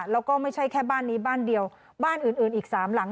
แล้วก็ไม่ใช่แค่บ้านนี้บ้านเดียวบ้านอื่นอีก๓หลัง